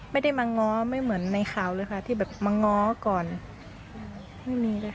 ไม่ได้มาง้อไม่เหมือนในข่าวเลยค่ะที่แบบมาง้อก่อนไม่มีเลยค่ะ